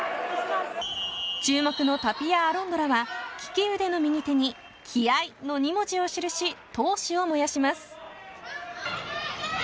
注目のタピア・アロンドラは利き腕の右手に気合の２文字を記し闘志を燃やします。